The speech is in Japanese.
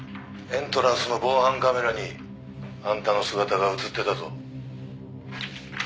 「エントランスの防犯カメラにあんたの姿が映ってたぞ」